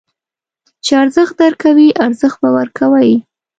چې ارزښت درکوي، ارزښت ورکړئ.